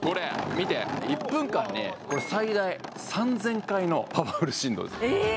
見て１分間に最大３０００回のパワフル振動ですえっ